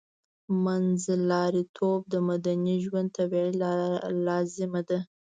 منځلاریتوب د مدني ژوند طبیعي لازمه ده